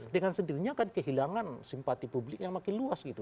dengan sendirinya kan kehilangan simpati publik yang makin luas gitu